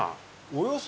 およそ。